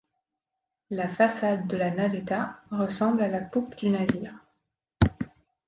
La façade de la naveta ressemble à la poupe du navire.